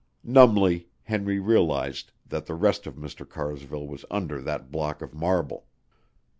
Numbly, Henry realized that the rest of Mr. Carsville was under that block of marble.